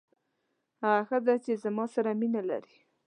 هغه ښځه چې زما سره مینه لري.